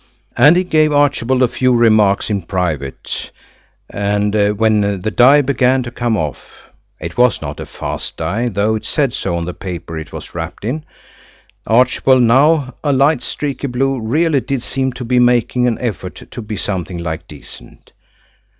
And he gave Archibald a few remarks in private, and when the dye began to come off–it was not a fast dye, though it said so on the paper it was wrapped in–Archibald, now a light streaky blue, really did seem to be making an effort to be something like decent.